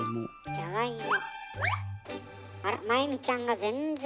じゃがいも